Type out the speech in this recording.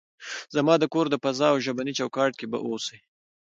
زما د کور د فضا او ژبني چوکاټ کې به اوسئ.